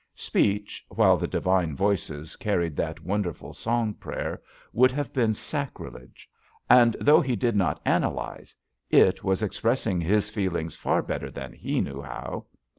Speech, while the divine voices carried that wonderful song prayer, would have been sac rilege. And, though he did not analyze, it was expressing his feelings far better than he knew how.